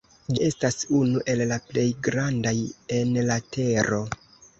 Ĝi estas unu el la plej grandaj en la tero.